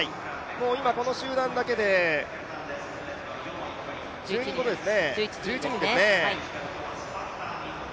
今、この集団だけで１１人ですね。